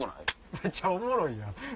めちゃおもろいやん。